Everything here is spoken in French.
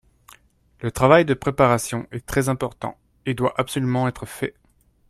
Le travail de préparation est très important et doit absolument être fait